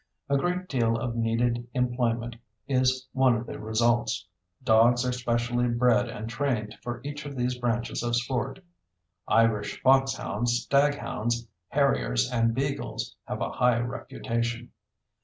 A great deal of needed employment is one of the results. Dogs are specially bred and trained for each of these branches of sport. Irish foxhounds, staghounds, harriers, and beagles have a high reputation.